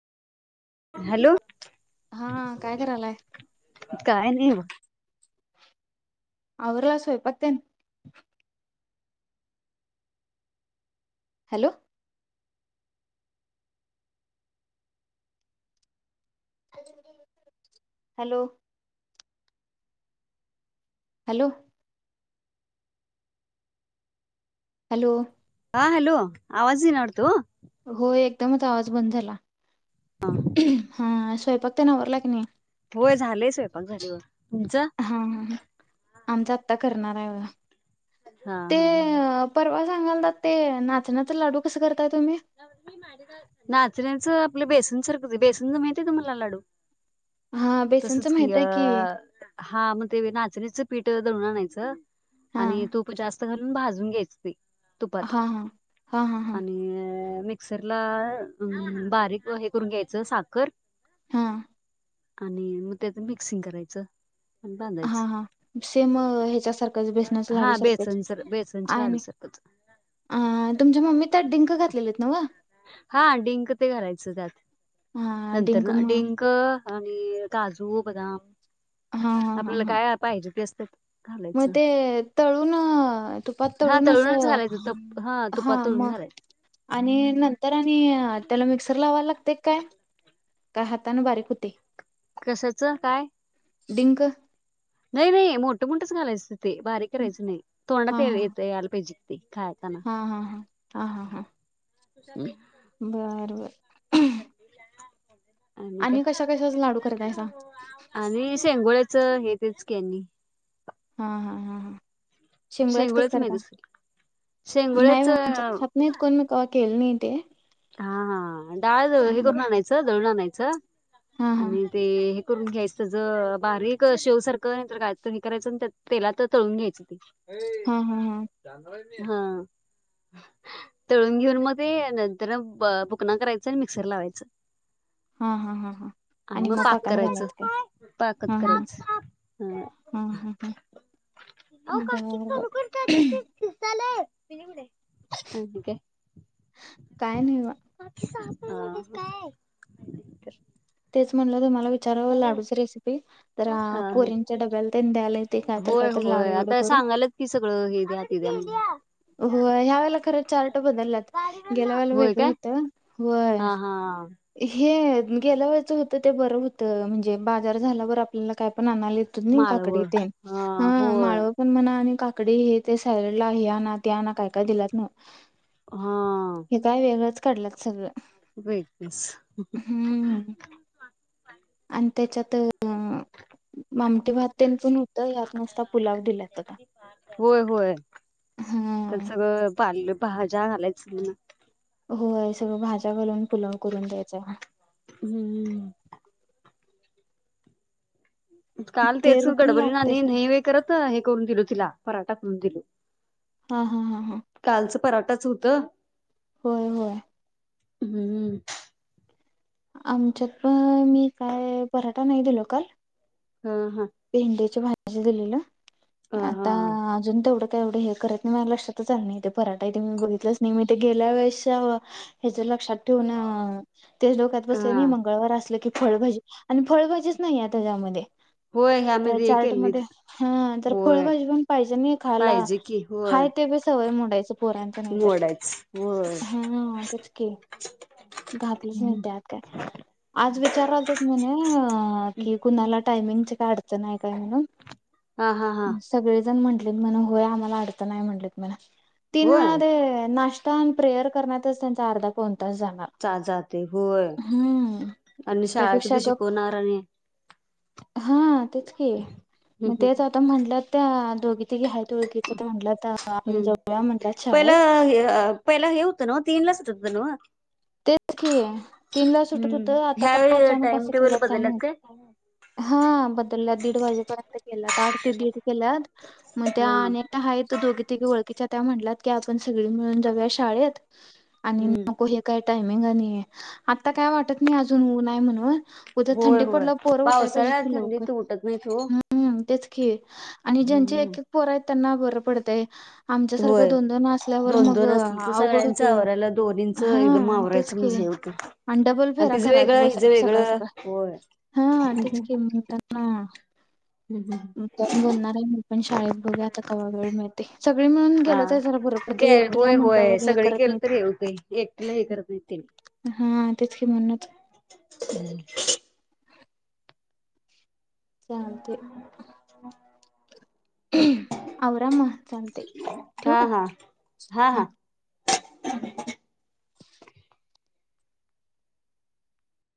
Hello हा काय करायलाय काय नाही बगं आवरा स्वयंपाक तेण हॅलो हॅलो हॅलो हॅलो हा हॅलो आवाज येतोय का? होय एकदमच आवाज बंद झाला? हा हा. स्वयंपाक आवरला की नाही. होय झालंय स्वयंपाक झाला हो. हा हा आमचा आत्ता करणार आहे ओ. हा हा हा. सांगाल ते नाचण्यां लाडू कस करतात. नाचण्याचं आपलं बेसन बेसनचा माहित आहे तुम्हाला लाडू? हा बेसनचं तसच की माहित अ आहे हा मग ते नाचणीचं पीठ दळून आणायचं हा आणि तूप जास्त चांगलं भाजून घ्यायचे पीठ हा हा हा हा हा. मिक्सरला बारीक हे करून घ्यायचं साखर हा आणि मग त्याच मिक्सिंग करायचं आणि हा बांधायचं हा सेम ह्याच्या सारखंच बेसनाच लाडू हा सारखंच बेसन बेसनचे लाडू आणि सारखं अ तुमच्या मम्मी त्यात ड्रिंक घातलेले आहेत न ग हा डिंक ते घालायचं त्यात हा नंतर ना म डिंक आणि काजू बदाम हा हा हा आपल्याला हा काय पाहिजे तस अ मग ते तळून तुपात हा तळून अस तळूनच घालायचं तप हा तुपात तळून मग घालायचं आणि नंतर तर आणि त्याला मिक्सर ल लावावा लागते काय? नाही हातन बारीक होते कशाचं काय? डिंक नाही नाही मोठं मोठंच घालायचं ते बारीक करायचं नाही तोंडात हा हा येत याला पाहिजी ते खाताना हा हा हा हा हा हा. बर बर. हा हा. आणि कशा कशाच लाडू करतायचा. च हे तेच कनी हा हा हा हा. शिमळ्यात कस शेंगोळ्याच माहित करता असेल नाही शेंगोळ्याच बा हा आमच्यात खात नाहीत कोण मी कत केल् न ते हा हा डाळ हे करून आणायचं दळून आणायचं. छ हा हा आणि ते करून घ्यायच ज बारीक शेव सारखं नाहीतर काय हे करायचं तेलात तळून घ्यायची ते.. हा हा हा... हा तळून घेऊन मग ते.... तर फुकणा करायचं आणि मिक्सर लावायचं... हा हा हा हा आणि मग पाक पाकात करायचं घालायच काय पाकच हा हा करायचकी कर.... हा हा हा बर बर अ नाहीवा... काय... तर लाडूची रेसपी... हा ह द्यायला येतंय काय तर होय काय तर होय लाडू बिडू आता करून. सांगालच कि सगळं हे द्या त द्या.... होय ह्या वेळेला खरं चार्ट बदललात गेल्या वेळेला होय वेगळं काय होतं होय... हा हा ह... हे गेल्या वेळचं होतं ते बरं होतं म्हणजे बाजार झाल्यावर आपल्याला काय पण आण... आले तुम्ही माळव काकडी तेन हा होय. माळव पण म्हणा आणि काकडी ते..... काकडी हे ते सॅलेडला हे आना.... त्याना काय काय दिलात न हा हे काय वेगळंच... कडला सगळ... वेटस.... आणि त्याच्यात आमटी भात तेन पण होत या नासता. होय होय हा. त्या सगळं पालं. भाज्या आलायच की... होय सगळं भाज्या घालून पुलाव करून द्यायचा. हम्म. काल ते तेचून रुटीन गडबरी ना लागतय खरं नवे करत.. हे करून दिल तिला पराठा करून दिलो हा हा हा हा... कालचं पराठाच होत लल होय हम्म... आमच्यात पण मी काय पराठा नाही दिलो काल.... हा हा पिंडे च पा.. अशा दिला... ह आता हा अजून तेवढं... वढे हे करत नाही म लक्षातच आ नाही पराठा इथे मी बघितलंच नाही मी ते गेल्या वेळे ह्या लक्षात... ठेवून ते डोक्यात हा बसले मंगळवार असलं की फळभाजी... आणि फळभाजीच नाही आता त्यामध्ये.... होय त्या ह्यामध्ये चार्ट केलनीत मध्ये हा तर होय फळभजी पण पाहिजे नाही खायला पाहिजे की होय हाय ते प सवय मोडायच पोरांचं नाही तर मोडायचं होय. हा तेच कीं, घातलंच नाय हम्म. त्यात काय. आज विचारलं त्यानं म्हन कीं कुनाला टायमिंगच चं नाय काय म्हन. हा हा हा सगळेजण म्हण [unintelligible] आम्हाला अडचण हाय म्हटलेत मला. तीन वेळा होय ते नाश ताण प्रेयर करण्यातच त्यांचा अर्धा [unintelligible] चा ते होय हम्म आणि शाळा त्यापेक्षा कधी गप शिकवणार आणि... हा. तेच कीं, मं हम्म तेच म्हनलं त्या दोघी तिघी हायेत वळखीत. म्हटलं तर आपण हम्म. जऊया म्हणलं शाळेत. पहिलं पहिला हे होतं ना तीन ला सुट होतं न्हवं. तेच की आहे तीनला सुटत होत. हम्म आता का ह्यावेळी अचानक टाइम असं टेबल केलं काय बदलल्यात माहित. हा. दीड वाजेपर्यंत गत आठ ते दीड केल्यात. मं त्या हा हायेत दोघी तिघी वळखीच्या त्या म्हटलात की आपण सगळी मिळून जाऊया शाळेत. आणि हम्म नको [unintelligible] टामिंग आणि आता काय वाटत नाही अजून उन हाय म्हणून. उद्या होय थंडी होय पडला पोरं उठाय पाहिजे पावसाळ्यात कीं लवकर? थंडीत उठत नाहीत ओ. हा केली. आणि ज्यांचे हम्म एक एक पोर आहेत त्यांना बरपडतय. आमच्यासारखं होय दोन दोन असल्यावर दोन मग दोन अवघड होतय. त एकदम आवरायचं म्हणून सगळं होतंय. डबल आणि फेरा तिजं करा वेगळं हिच सकाळ वेगळं. सकाळ होय. हा तेच की म्हणताना [unintelligible] बोलणार आहे मी पण शाळेत बघूया आता कवा वेळ मिळतंय. सगळी मिळून हा. गेलं तरी जरा बरं गे पडतंय. एकटीला होय म्हटल्यावर हे करत नाहीत. लई हे करत नाही त्यांनी. हा तेच की म्हणूनच चालतंय. आवरा मग चालतंय, ठेवू हा काय? हा हा.